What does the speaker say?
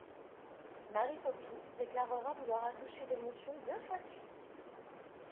Mary Poppins déclarera vouloir accoucher d'émotions deux fois de suite.